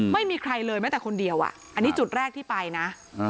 ไม่มีใครเลยแม้แต่คนเดียวอ่ะอันนี้จุดแรกที่ไปนะ